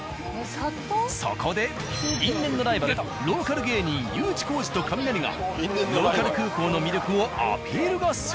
そこで因縁のライバルローカル芸人Ｕ字工事とカミナリがローカル空港の魅力をアピール合戦。